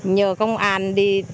nhờ công an đi